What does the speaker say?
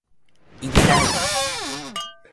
いぎだい！！！！